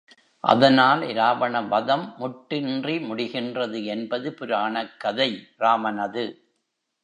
அதனால் இராவண வதம் முட்டின்று முடிகின்றது என்பது புராணக் கதை, ராமனது.